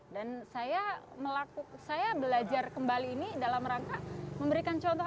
dan saya belajar kembali ini dalam rangka memberikan contoh anak